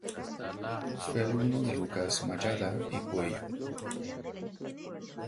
Fue alumno de Lucas Mallada y Pueyo.